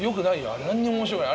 あれ何にも面白くない。